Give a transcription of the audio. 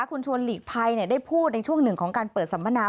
คุณชวนหลีกภัยได้พูดในช่วงหนึ่งของการเปิดสัมมนา